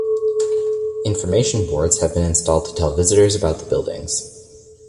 Information boards have been installed to tell visitors about the buildings.